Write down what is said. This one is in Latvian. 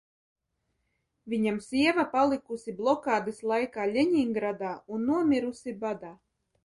Viņam sieva palikusi blokādes laikā Ļeningradā un nomirusi badā.